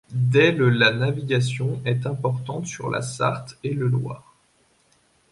Dès le la navigation est importante sur la Sarthe et le Loir.